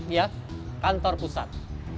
iya kantor pusat